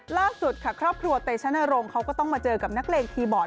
ล่าสุดค่ะครอบครัวเตชนรงค์เขาก็ต้องมาเจอกับนักเลงคีย์บอร์ด